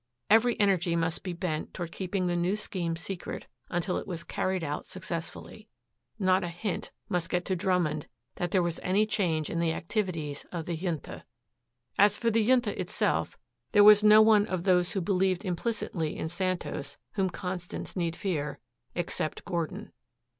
Every energy must be bent toward keeping the new scheme secret until it was carried out successfully. Not a hint must get to Drummond that there was any change in the activities of the Junta. As for the Junta itself, there was no one of those who believed implicitly in Santos whom Constance need fear, except Gordon.